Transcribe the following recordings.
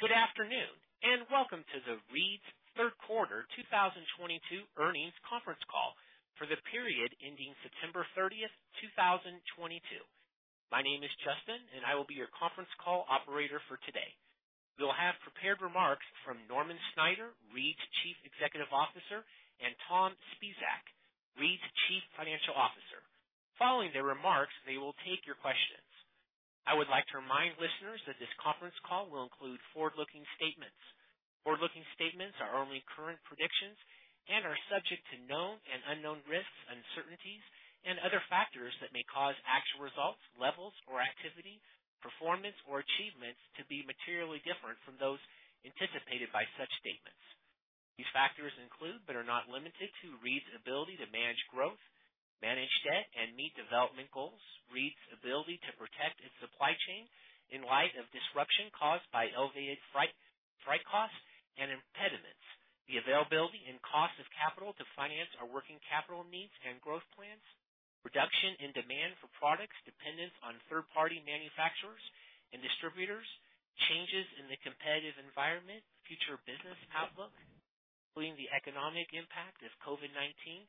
Good afternoon, and welcome to the Reed's third quarter 2022 earnings conference call for the period ending September 30, 2022. My name is Justin, and I will be your conference call operator for today. We'll have prepared remarks from Norman Snyder, Reed's Chief Executive Officer, and Tom Spisak, Reed's Chief Financial Officer. Following their remarks, they will take your questions. I would like to remind listeners that this conference call will include forward-looking statements. Forward-looking statements are only current predictions and are subject to known and unknown risks, uncertainties, and other factors that may cause actual results, levels or activity, performance or achievements to be materially different from those anticipated by such statements. These factors include, but are not limited to Reed's ability to manage growth, manage debt, and meet development goals, Reed's ability to protect its supply chain in light of disruption caused by elevated freight costs and impediments, the availability and cost of capital to finance our working capital needs and growth plans, reduction in demand for products dependent on third party manufacturers and distributors, changes in the competitive environment, future business outlook, including the economic impact of COVID-19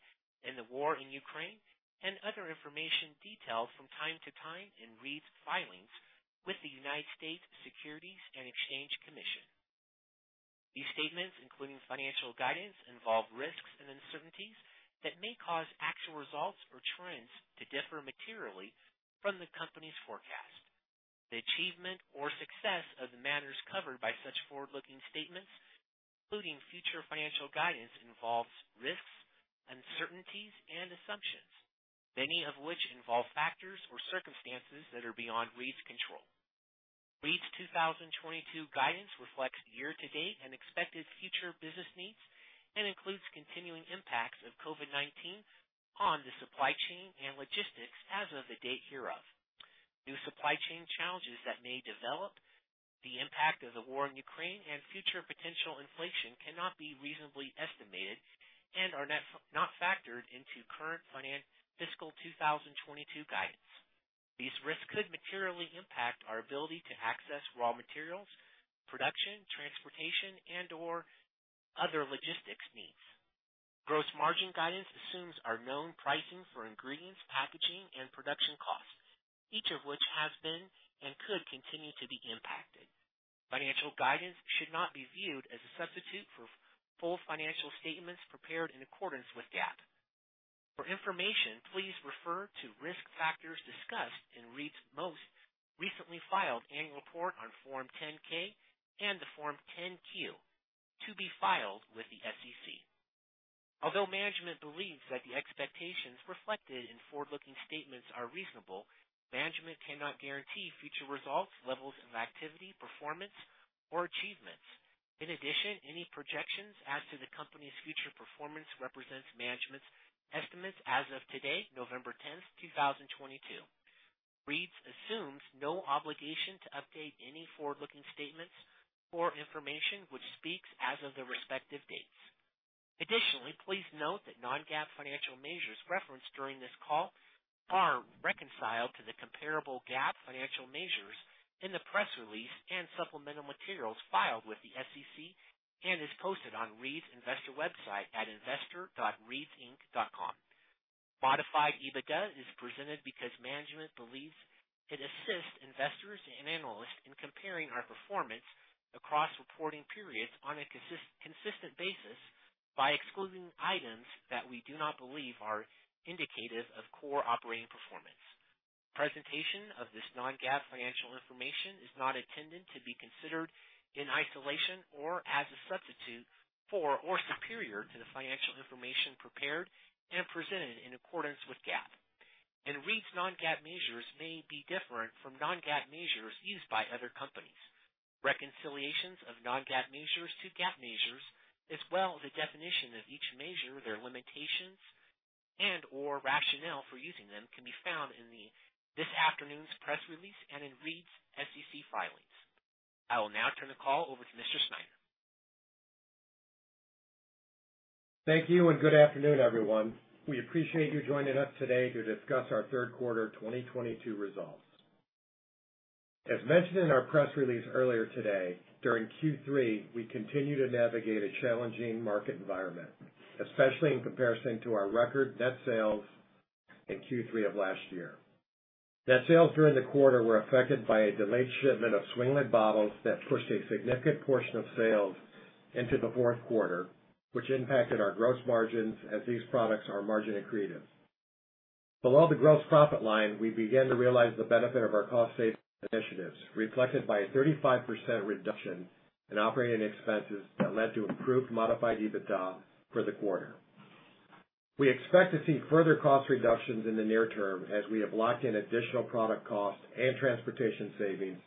and the war in Ukraine, and other information detailed from time to time in Reed's filings with the United States Securities and Exchange Commission. These statements, including financial guidance, involve risks and uncertainties that may cause actual results or trends to differ materially from the company's forecast. The achievement or success of the matters covered by such forward-looking statements, including future financial guidance, involves risks, uncertainties, and assumptions, many of which involve factors or circumstances that are beyond Reed's control. Reed's 2022 guidance reflects year to date and expected future business needs and includes continuing impacts of COVID-19 on the supply chain and logistics as of the date hereof. New supply chain challenges that may develop, the impact of the war in Ukraine and future potential inflation cannot be reasonably estimated and are not factored into current fiscal 2022 guidance. These risks could materially impact our ability to access raw materials, production, transportation, and/or other logistics needs. Gross margin guidance assumes our known pricing for ingredients, packaging and production costs, each of which has been and could continue to be impacted. Financial guidance should not be viewed as a substitute for full financial statements prepared in accordance with GAAP. For information, please refer to risk factors discussed in Reed's most recently filed annual report on Form 10-K and the Form 10-Q to be filed with the SEC. Although management believes that the expectations reflected in forward-looking statements are reasonable, management cannot guarantee future results, levels of activity, performance, or achievements. In addition, any projections as to the company's future performance represents management's estimates as of today, November 10, 2022. Reed's assumes no obligation to update any forward-looking statements or information which speaks as of the respective dates. Additionally, please note that non-GAAP financial measures referenced during this call are reconciled to the comparable GAAP financial measures in the press release and supplemental materials filed with the SEC and is posted on Reed's investor website at investor.reedsinc.com. Modified EBITDA is presented because management believes it assists investors and analysts in comparing our performance across reporting periods on a consistent basis by excluding items that we do not believe are indicative of core operating performance. Presentation of this non-GAAP financial information is not intended to be considered in isolation or as a substitute for or superior to the financial information prepared and presented in accordance with GAAP, and Reed's non-GAAP measures may be different from non-GAAP measures used by other companies. Reconciliations of non-GAAP measures to GAAP measures, as well as a definition of each measure, their limitations and/or rationale for using them, can be found in this afternoon's press release and in Reed's SEC filings. I will now turn the call over to Mr. Snyder. Thank you and good afternoon, everyone. We appreciate you joining us today to discuss our third quarter 2022 results. As mentioned in our press release earlier today, during Q3, we continued to navigate a challenging market environment, especially in comparison to our record net sales in Q3 of last year. Net sales during the quarter were affected by a delayed shipment of swing-lid bottles that pushed a significant portion of sales into the fourth quarter, which impacted our gross margins as these products are margin accretive. Below the gross profit line, we began to realize the benefit of our cost-saving initiatives, reflected by a 35% reduction in operating expenses that led to improved Modified EBITDA for the quarter. We expect to see further cost reductions in the near term as we have locked in additional product costs and transportation savings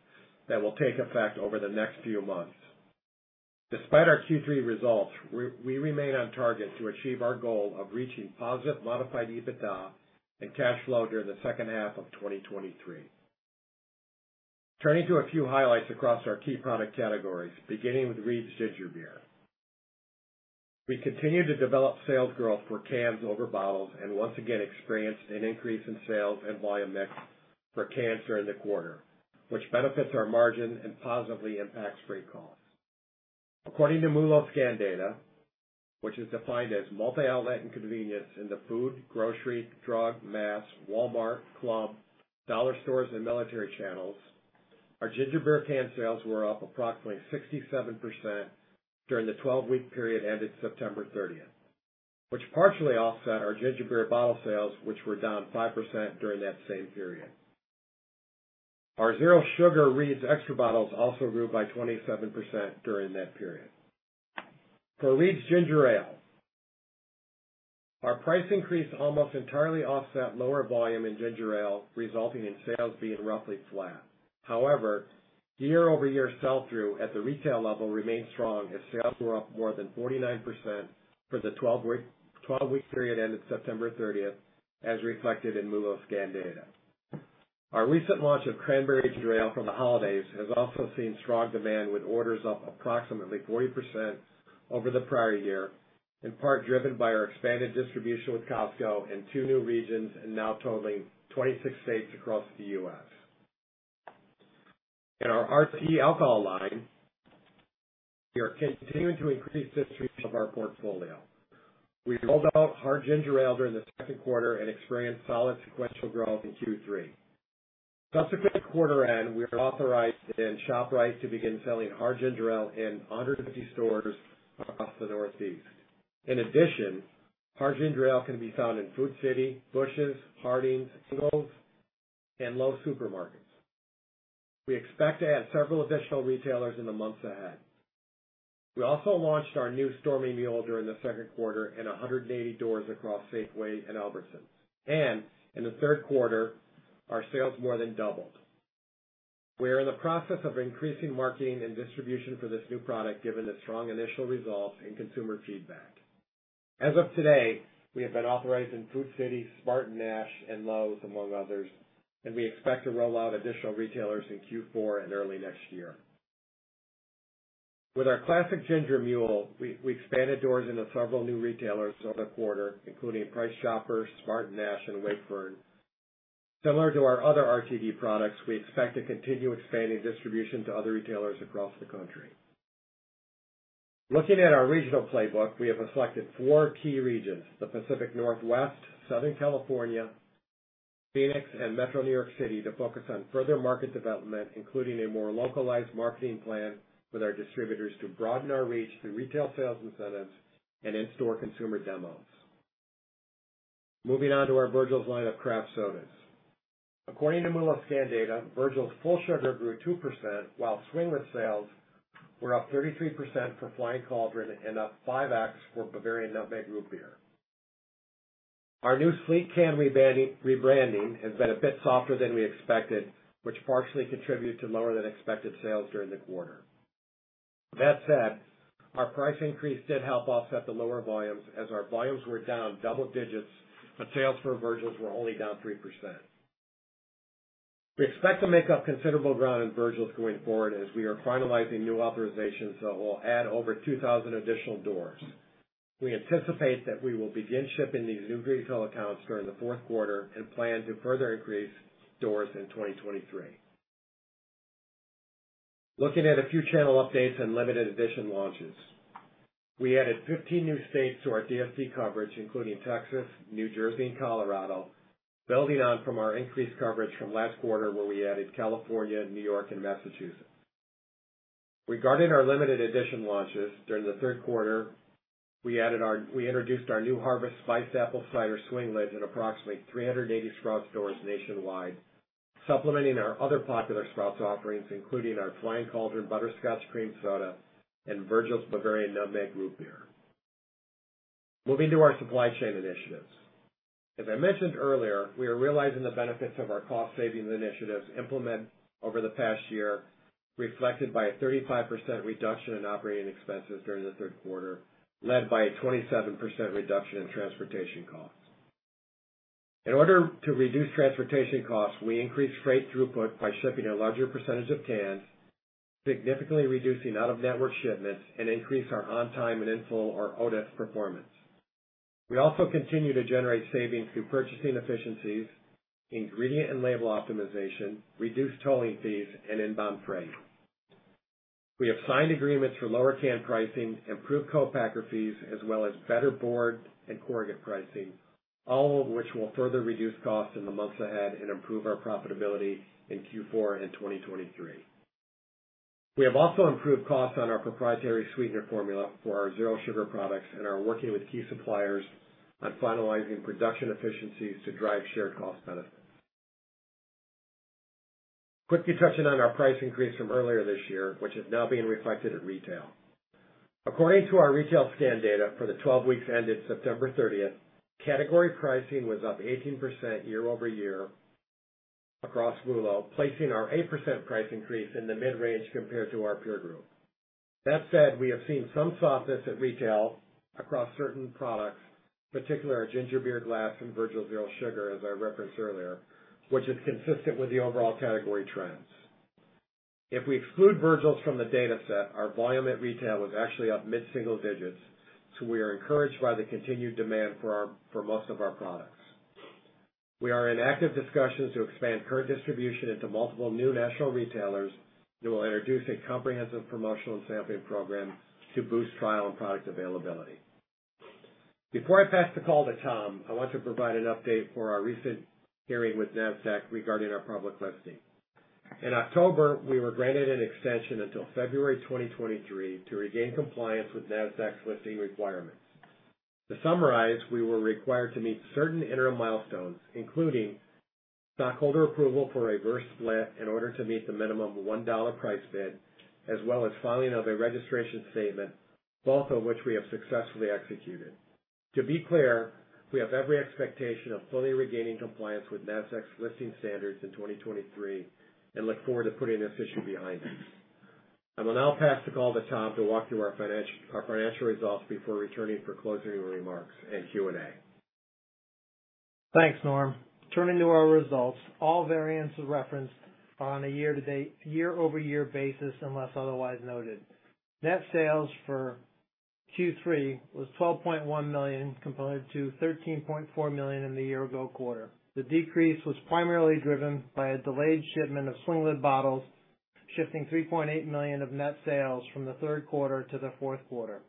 that will take effect over the next few months. Despite our Q3 results, we remain on target to achieve our goal of reaching positive modified EBITDA and cash flow during the second half of 2023. Turning to a few highlights across our key product categories, beginning with Reed's Ginger Beer. We continue to develop sales growth for cans over bottles, and once again experienced an increase in sales and volume mix for cans during the quarter, which benefits our margin and positively impacts freight costs. According to MULO scan data, which is defined as multi-outlet and convenience in the food, grocery, drug, mass, Walmart, club, dollar stores, and military channels, our ginger beer can sales were up approximately 67% during the 12-week period ended September 30, which partially offset our ginger beer bottle sales, which were down 5% during that same period. Our zero sugar Reed's Extra bottles also grew by 27% during that period. For Reed's Ginger Ale, our price increase almost entirely offset lower volume in ginger ale, resulting in sales being roughly flat. However, year-over-year sell-through at the retail level remained strong as sales were up more than 49% for the 12-week period ended September 30, as reflected in MULO scan data. Our recent launch of Cranberry Ginger Ale for the holidays has also seen strong demand, with orders up approximately 40% over the prior year, in part driven by our expanded distribution with Costco in two new regions and now totaling 26 states across the U.S. In our RTD alcohol line, we are continuing to increase distribution of our portfolio. We rolled out Hard Ginger Ale during the second quarter and experienced solid sequential growth in Q3. Subsequent quarter end, we are authorized in ShopRite to begin selling Hard Ginger Ale in 150 stores across the Northeast. In addition, Hard Ginger Ale can be found in Food City, Busch's, Harding's, Shaw's, and Lowes supermarkets. We expect to add several additional retailers in the months ahead. We also launched our new Stormy Mule during the second quarter in 180 doors across Safeway and Albertsons, and in the third quarter, our sales more than doubled. We are in the process of increasing marketing and distribution for this new product, given the strong initial results and consumer feedback. As of today, we have been authorized in Food City, SpartanNash, and Lowe's Foods, among others, and we expect to roll out additional retailers in Q4 and early next year. With our Classic Ginger Mule, we expanded doors into several new retailers over the quarter, including Price Chopper, SpartanNash, and Wakefern. Similar to our other RTD products, we expect to continue expanding distribution to other retailers across the country. Looking at our regional playbook, we have selected four key regions, the Pacific Northwest, Southern California, Phoenix, and Metro New York City, to focus on further market development, including a more localized marketing plan with our distributors to broaden our reach through retail sales incentives and in-store consumer demos. Moving on to our Virgil's line of craft sodas. According to MULO scan data, Virgil's full sugar grew 2%, while swing-lid sales were up 33% for Flying Cauldron and up 5x for Bavarian Nutmeg Root Beer. Our new rebranding has been a bit softer than we expected, which partially contributed to lower than expected sales during the quarter. That said, our price increase did help offset the lower volumes as our volumes were down double digits, but sales for Virgil's were only down 3%. We expect to make up considerable ground in Virgil's going forward as we are finalizing new authorizations that will add over 2,000 additional doors. We anticipate that we will begin shipping these new retail accounts during the fourth quarter and plan to further increase doors in 2023. Looking at a few channel updates and limited edition launches. We added 15 new states to our DSD coverage, including Texas, New Jersey, and Colorado, building on from our increased coverage from last quarter, where we added California, New York, and Massachusetts. Regarding our limited edition launches, during the third quarter, we introduced our new Harvest Spiced Apple Cider swing-lid in approximately 380 Sprouts stores nationwide, supplementing our other popular Sprouts offerings, including our Flying Cauldron Butterscotch Cream Soda and Virgil's Bavarian Nutmeg Root Beer. Moving to our supply chain initiatives. As I mentioned earlier, we are realizing the benefits of our cost saving initiatives implemented over the past year, reflected by a 35% reduction in operating expenses during the third quarter, led by a 27% reduction in transportation costs. In order to reduce transportation costs, we increased freight throughput by shipping a larger percentage of cans, significantly reducing out-of-network shipments, and increased our on-time and in-full or OTIF performance. We also continue to generate savings through purchasing efficiencies, ingredient and label optimization, reduced tolling fees, and inbound freight. We have signed agreements for lower can pricing, improved co-packer fees, as well as better board and corrugate pricing, all of which will further reduce costs in the months ahead and improve our profitability in Q4 and 2023. We have also improved costs on our proprietary sweetener formula for our zero sugar products and are working with key suppliers on finalizing production efficiencies to drive shared cost benefits. Quickly touching on our price increase from earlier this year, which is now being reflected at retail. According to our retail scan data for the 12 weeks ended September 30, category pricing was up 18% year-over-year across MULO, placing our 8% price increase in the mid-range compared to our peer group. That said, we have seen some softness at retail across certain products, particularly our Ginger Beer Glass and Virgil's Zero Sugar, as I referenced earlier, which is consistent with the overall category trends. If we exclude Virgil's from the data set, our volume at retail was actually up mid-single digits, so we are encouraged by the continued demand for most of our products. We are in active discussions to expand current distribution into multiple new national retailers who will introduce a comprehensive promotional and sampling program to boost trial and product availability. Before I pass the call to Tom, I want to provide an update for our recent hearing with Nasdaq regarding our public listing. In October, we were granted an extension until February 2023 to regain compliance with Nasdaq's listing requirements. To summarize, we were required to meet certain interim milestones, including stockholder approval for a reverse split in order to meet the minimum $1 price bid, as well as filing of a registration statement, both of which we have successfully executed. To be clear, we have every expectation of fully regaining compliance with Nasdaq's listing standards in 2023 and look forward to putting this issue behind us. I will now pass the call to Tom to walk through our financial results before returning for closing remarks and Q&A. Thanks, Norm. Turning to our results, all variants are referenced on a year-to-date, year-over-year basis unless otherwise noted. Net sales for Q3 was $12.1 million compared to $13.4 million in the year ago quarter. The decrease was primarily driven by a delayed shipment of swing-lid bottles, shifting $3.8 million of net sales from the third quarter to the fourth quarter.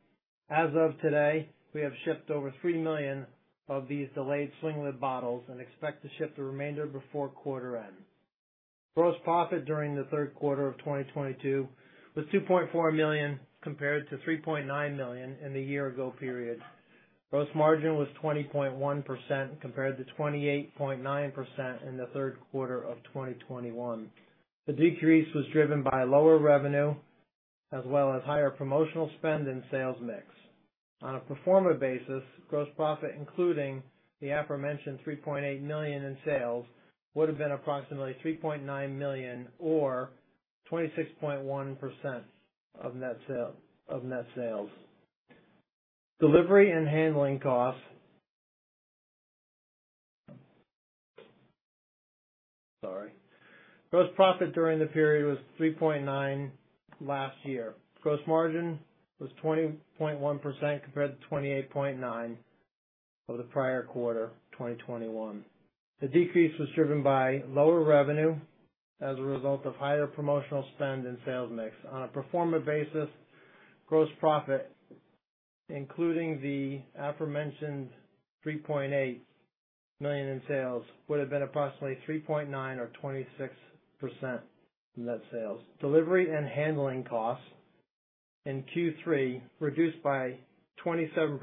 As of today, we have shipped over 3 million of these delayed swing-lid bottles and expect to ship the remainder before quarter end. Gross profit during the third quarter of 2022 was $2.4 million compared to $3.9 million in the year ago period. Gross margin was 20.1% compared to 28.9% in the third quarter of 2021. The decrease was driven by lower revenue as well as higher promotional spend and sales mix. On a pro forma basis, gross profit, including the aforementioned $3.8 million in sales, would have been approximately $3.9 million or 26.1% of net sales. Gross profit during the period was $3.9 million last year. Gross margin was 20.1% compared to 28.9% for the prior quarter, 2021. The decrease was driven by lower revenue as a result of higher promotional spend and sales mix. On a pro forma basis, gross profit, including the aforementioned $3.8 million in sales, would have been approximately $3.9 million or 26% net sales. Delivery and handling costs in Q3 reduced by 27%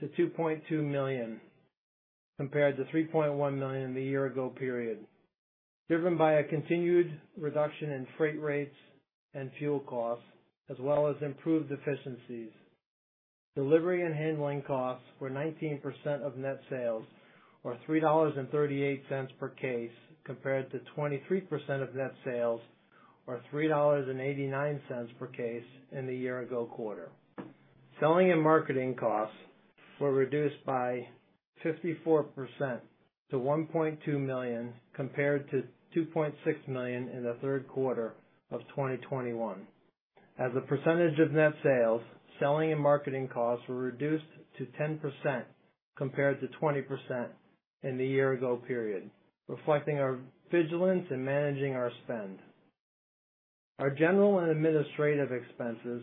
to $2.2 million, compared to $3.1 million in the year ago period, driven by a continued reduction in freight rates and fuel costs, as well as improved efficiencies. Delivery and handling costs were 19% of net sales or $3.38 per case, compared to 23% of net sales or $3.89 per case in the year ago quarter. Selling and marketing costs were reduced by 54% to $1.2 million, compared to $2.6 million in the third quarter of 2021. As a percentage of net sales, selling and marketing costs were reduced to 10% compared to 20% in the year ago period, reflecting our vigilance in managing our spend. Our general and administrative expenses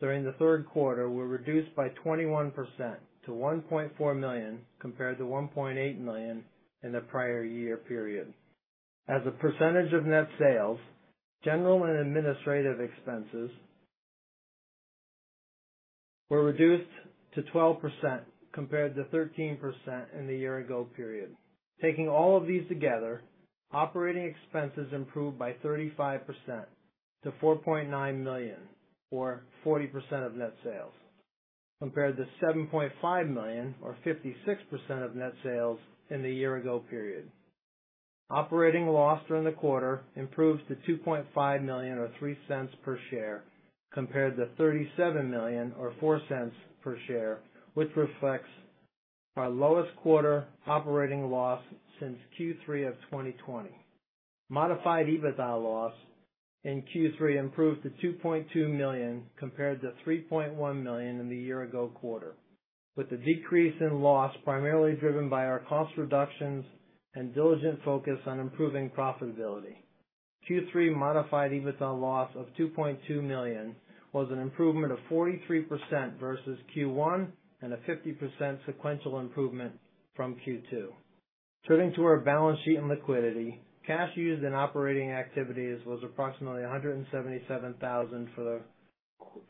during the third quarter were reduced by 21% to $1.4 million, compared to $1.8 million in the prior year period. As a percentage of net sales, general and administrative expenses were reduced to 12% compared to 13% in the year ago period. Taking all of these together, operating expenses improved by 35% to $4.9 million or 40% of net sales, compared to $7.5 million or 56% of net sales in the year ago period. Operating loss during the quarter improved to $2.5 million or $0.03 per share, compared to $37 million or $0.04 per share, which reflects our lowest quarter operating loss since Q3 of 2020. Modified EBITDA loss in Q3 improved to $2.2 million compared to $3.1 million in the year ago quarter, with the decrease in loss primarily driven by our cost reductions and diligent focus on improving profitability. Q3 modified EBITDA loss of $2.2 million was an improvement of 43% versus Q1 and a 50% sequential improvement from Q2. Turning to our balance sheet and liquidity, cash used in operating activities was approximately $177,000 for the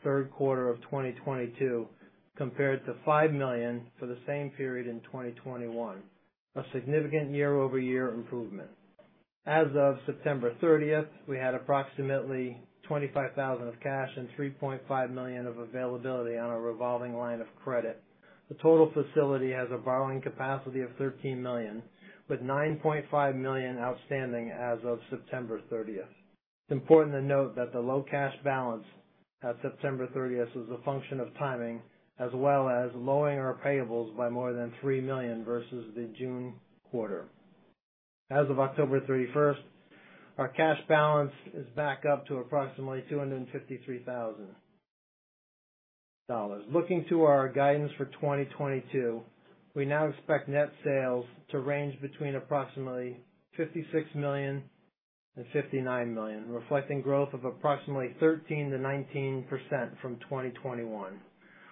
third quarter of 2022, compared to $5 million for the same period in 2021, a significant year-over-year improvement. As of September thirtieth, we had approximately $25,000 of cash and $3.5 million of availability on our revolving line of credit. The total facility has a borrowing capacity of $13 million, with $9.5 million outstanding as of September thirtieth. It's important to note that the low cash balance at September 30 as a function of timing, as well as lowering our payables by more than $3 million versus the June quarter. As of October 31, our cash balance is back up to approximately $253,000. Looking to our guidance for 2022, we now expect net sales to range between approximately $56 million-$59 million, reflecting growth of approximately 13%-19% from 2021.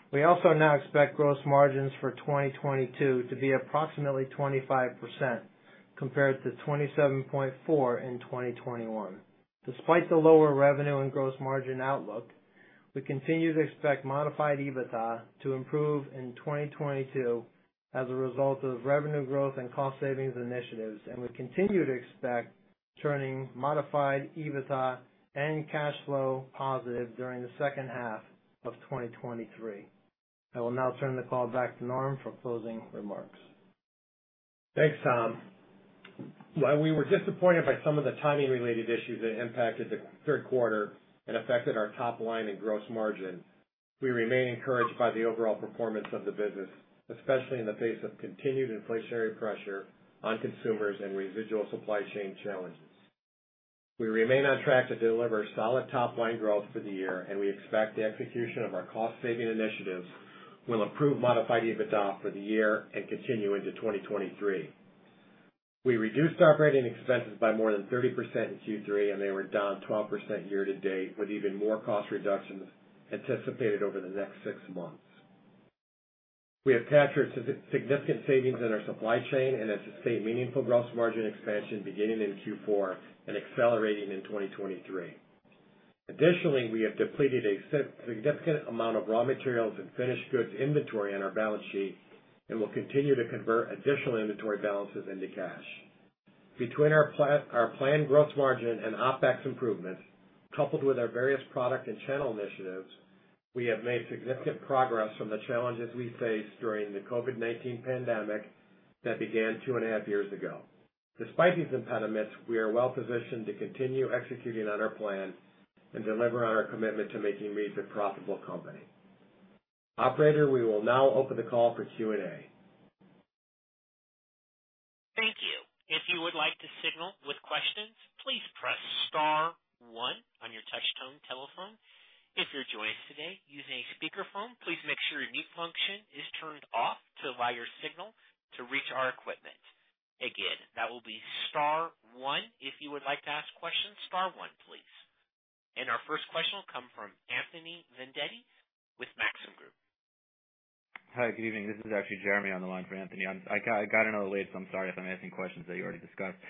We also now expect gross margins for 2022 to be approximately 25% compared to 27.4% in 2021. Despite the lower revenue and gross margin outlook, we continue to expect Modified EBITDA to improve in 2022 as a result of revenue growth and cost savings initiatives. We continue to expect turning Modified EBITDA and cash flow positive during the second half of 2023. I will now turn the call back to Norm for closing remarks. Thanks, Tom. While we were disappointed by some of the timing related issues that impacted the third quarter and affected our top line and gross margin, we remain encouraged by the overall performance of the business, especially in the face of continued inflationary pressure on consumers and residual supply chain challenges. We remain on track to deliver solid top line growth for the year, and we expect the execution of our cost saving initiatives will improve modified EBITDA for the year and continue into 2023. We reduced operating expenses by more than 30% in Q3, and they were down 12% year to date, with even more cost reductions anticipated over the next six months. We have captured significant savings in our supply chain and expect meaningful gross margin expansion beginning in Q4 and accelerating in 2023. Additionally, we have depleted a significant amount of raw materials and finished goods inventory on our balance sheet and will continue to convert additional inventory balances into cash. Between our planned gross margin and OpEx improvements, coupled with our various product and channel initiatives, we have made significant progress from the challenges we faced during the COVID-19 pandemic that began two and a half years ago. Despite these impediments, we are well positioned to continue executing on our plan and deliver on our commitment to making Reed's a profitable company. Operator, we will now open the call for Q&A. Thank you. If you would like to signal with questions, please press star one on your touchtone telephone. If you're joining us today using a speakerphone, please make sure your mute function is turned off to allow your signal to reach our equipment. Again, that will be star one if you would like to ask questions, star one, please. Our first question will come from Anthony Vendetti with Maxim Group. Hi, good evening. This is actually Jeremy on the line for Anthony. I got in a little late, so I'm sorry if I'm asking questions that you already discussed.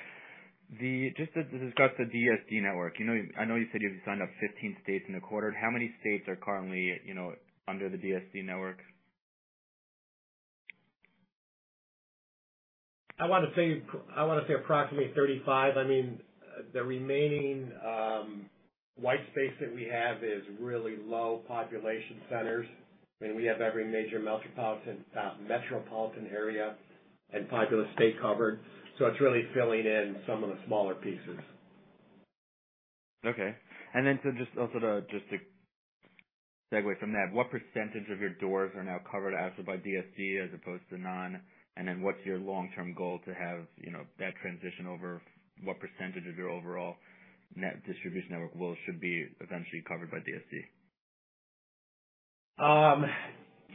Just to discuss the DSD network, you know, I know you said you've signed up 15 states in a quarter. How many states are currently, you know, under the DSD network? I wanna say approximately 35. I mean, the remaining white space that we have is really low population centers. I mean, we have every major metropolitan area and populous state covered, so it's really filling in some of the smaller pieces. Okay. Just to segue from that, what percentage of your doors are now covered as of by DSD as opposed to none? What's your long-term goal to have, you know, that transition over what percentage of your overall net distribution network should be eventually covered by DSD?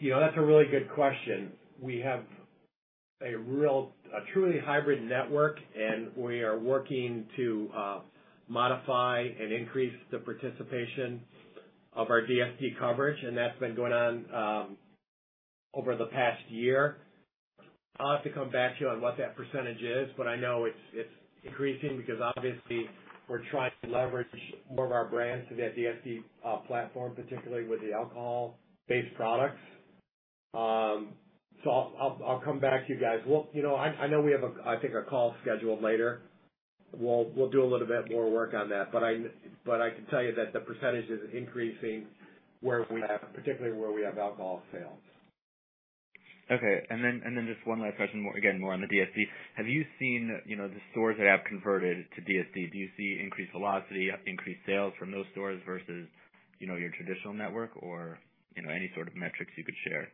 You know, that's a really good question. We have a truly hybrid network, and we are working to modify and increase the participation of our DSD coverage, and that's been going on over the past year. I'll have to come back to you on what that percentage is, but I know it's increasing because obviously we're trying to leverage more of our brands to that DSD platform, particularly with the alcohol-based products. So I'll come back to you guys. You know, I know we have a call scheduled later. We'll do a little bit more work on that. But I can tell you that the percentage is increasing, particularly where we have alcohol sales. Okay. Just one last question, again, more on the DSD. Have you seen, you know, the stores that have converted to DSD? Do you see increased velocity, increased sales from those stores versus, you know, your traditional network or, you know, any sort of metrics you could share?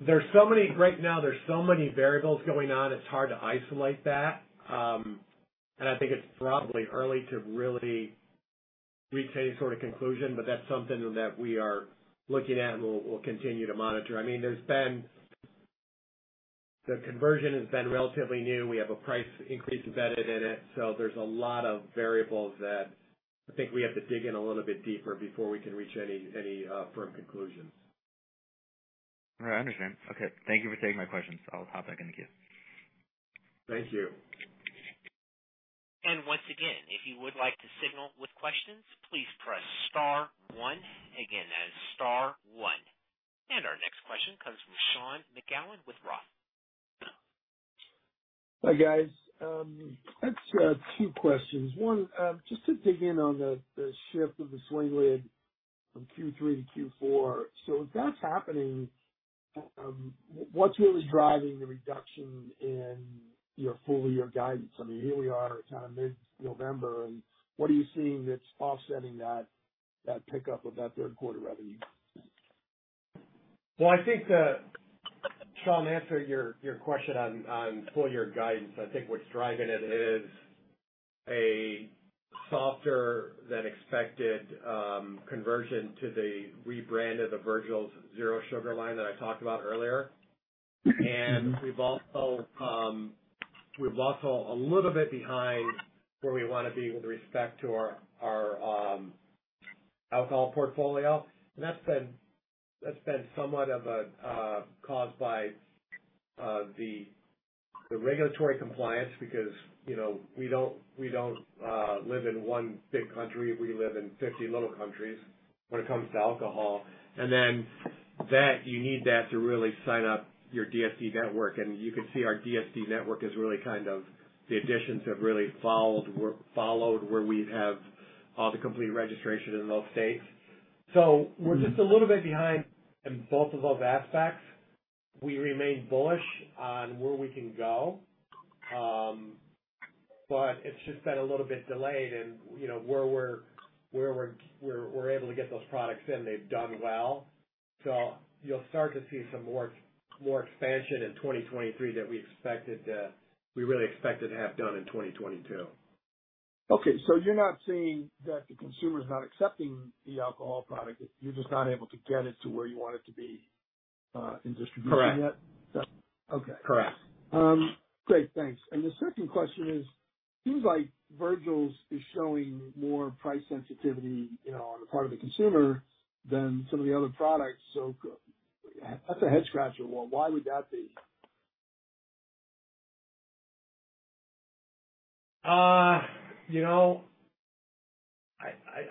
There's so many variables going on right now, it's hard to isolate that. I think it's probably early to really reach any sort of conclusion, but that's something that we are looking at and we'll continue to monitor. I mean, the conversion has been relatively new. We have a price increase embedded in it. There's a lot of variables that I think we have to dig in a little bit deeper before we can reach any firm conclusions. All right. I understand. Okay. Thank you for taking my questions. I'll hop back in the queue. Thank you. Once again, if you would like to signal with questions, please press star one. Again, that is star one. Our next question comes from Sean McGowan with Roth. Hi, guys. I just have two questions. One, just to dig in on the shift of the swing-lid From Q3 to Q4. If that's happening, what's really driving the reduction in your full year guidance? I mean, here we are kind of mid-November, and what are you seeing that's offsetting that pickup of that third quarter revenue? Well, I think Sean answered your question on full year guidance. I think what's driving it is a softer than expected conversion to the rebrand of the Virgil's Zero Sugar line that I talked about earlier. We're also a little bit behind where we wanna be with respect to our alcohol portfolio. That's been somewhat caused by the regulatory compliance because, you know, we don't live in one big country. We live in 50 little countries when it comes to alcohol. Then you need that to really sign up your DSD network, and you can see our DSD network is really kind of the additions have really followed where we have the complete registration in those states. We're just a little bit behind in both of those aspects. We remain bullish on where we can go. It's just been a little bit delayed and, you know, where we're able to get those products in, they've done well. You'll start to see some more expansion in 2023 that we expected, we really expected to have done in 2022. Okay. You're not seeing that the consumer's not accepting the alcohol product, you're just not able to get it to where you want it to be, in distribution yet? Correct. Okay. Correct. Great. Thanks. The second question is, seems like Virgil's is showing more price sensitivity, you know, on the part of the consumer than some of the other products. That's a head scratcher. Why would that be? You know,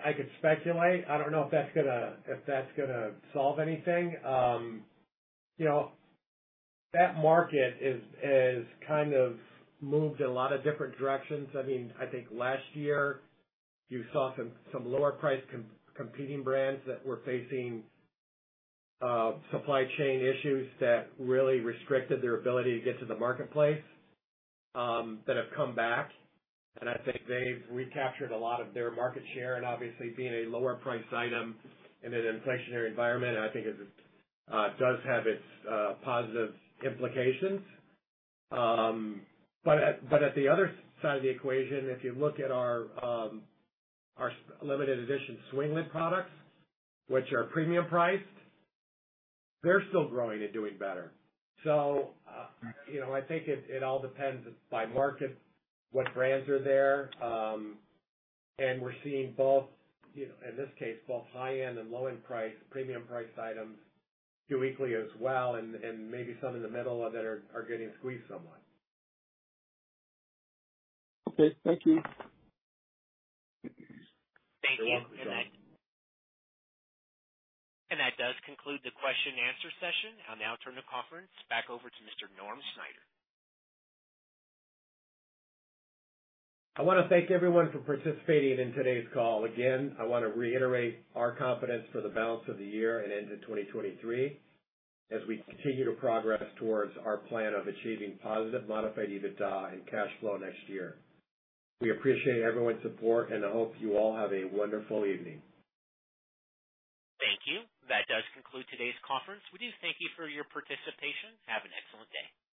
I could speculate. I don't know if that's gonna solve anything. You know, that market is kind of moved in a lot of different directions. I mean, I think last year you saw some lower priced competing brands that were facing supply chain issues that really restricted their ability to get to the marketplace that have come back. I think they've recaptured a lot of their market share, and obviously being a lower priced item in an inflationary environment, I think does have its positive implications. At the other side of the equation, if you look at our limited edition swing-lid products, which are premium priced, they're still growing and doing better. You know, I think it all depends by market, what brands are there. We're seeing both, you know, in this case, both high-end and low-end price, premium price items do equally as well and maybe some in the middle that are getting squeezed somewhat. Okay. Thank you. You're welcome. Thank you. That does conclude the question and answer session. I'll now turn the conference back over to Mr. Norman Snyder. I wanna thank everyone for participating in today's call. Again, I wanna reiterate our confidence for the balance of the year and into 2023 as we continue to progress towards our plan of achieving positive Modified EBITDA and cash flow next year. We appreciate everyone's support, and I hope you all have a wonderful evening. Thank you. That does conclude today's conference. We do thank you for your participation. Have an excellent day.